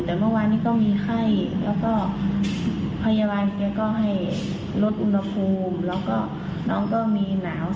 เดี๋ยวตอนนี้มันมีไข้